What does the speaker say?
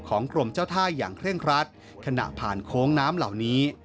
กรมเจ้าท่าอย่างเคร่งครัดขณะผ่านโค้งน้ำเหล่านี้